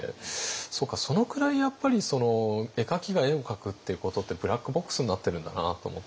そうかそのくらいやっぱり絵描きが絵を描くっていうことってブラックボックスになってるんだなと思って。